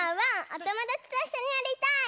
おともだちといっしょにやりたい！